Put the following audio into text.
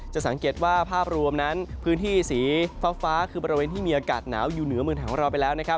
จะสังเกตว่าภาพรวมนั้นพื้นที่สีฟ้าคือบริเวณที่มีอากาศหนาวอยู่เหนือเมืองไทยของเราไปแล้วนะครับ